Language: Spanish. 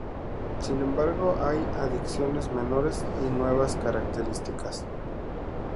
Sin embargo, hay adiciones menores y nuevas características.